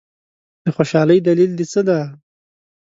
د خوشالۍ دلیل دي څه دی؟